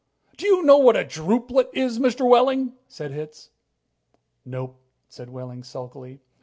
Do you know what a drupelet is, Mr. Wehling?" said Hitz. "Nope," said Wehling sulkily.